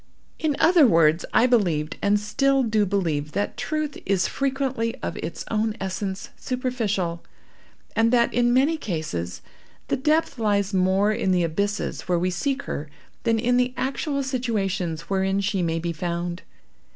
In other words, I believed, and still do believe, that truth, is frequently of its own essence, superficial, and that, in many cases, the depth lies more in the abysses where we seek her, than in the actual situations wherein she may be found.